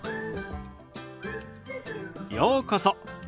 ようこそ。